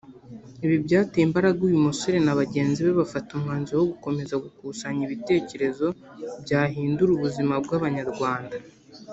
Ibi byateye imbaraga uyu musore na bagenzi be bafata umwanzuro wo gukomeza gukusanya ibitekerezo byahindura ubuzima bw’abanyarwanda